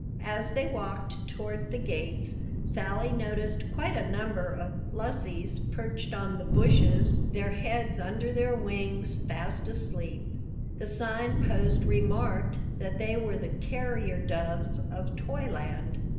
As they walked towards the gates, Sally noticed quite a number of Flussies perched on the bushes, their heads under their wings, fast asleep. The Sign Post remarked that they were the carrier doves of Toyland.